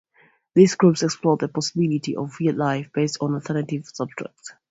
These groups explored the possibility of "weird life" based on alternative substrates.